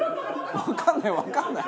わかんないわかんない。